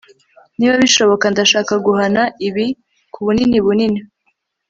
niba bishoboka, ndashaka guhana ibi kubunini bunini